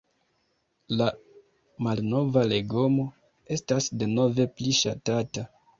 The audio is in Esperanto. La „malnova legomo“ estas denove pli ŝatata.